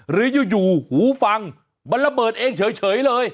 หรืออยู่หูฟังมันระเบิดเองเฉยเลย